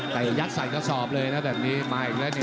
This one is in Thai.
แต่ยัดใส่กระสอบเลยนะแบบนี้มาอีกแล้วเนี่ย